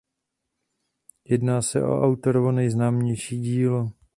Jedná se o autorovo nejznámější dílo.